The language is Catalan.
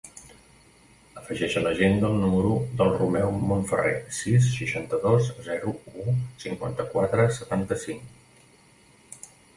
Afegeix a l'agenda el número del Romeo Monferrer: sis, seixanta-dos, zero, u, cinquanta-quatre, setanta-cinc.